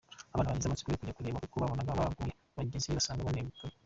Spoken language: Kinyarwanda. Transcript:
Abana bagize amatsiko yo kujya kureba kuko babonaga baguye, bagezeyo basanga banegekaye.